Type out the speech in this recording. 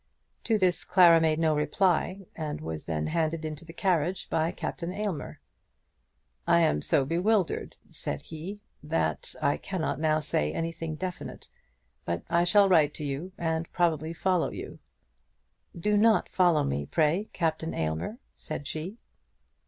To this Clara made no reply, and was then handed into the carriage by Captain Aylmer. "I am so bewildered," said he, "that I cannot now say anything definite, but I shall write to you, and probably follow you." "Do not follow me, pray, Captain Aylmer," said she.